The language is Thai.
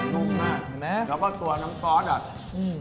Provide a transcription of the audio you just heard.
นุ่มมากเห็นไหมแล้วก็ตัวน้ำซอสอ่ะอืม